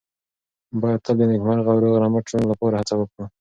باید تل د نېکمرغه او روغ رمټ ژوند لپاره هڅه وکړو.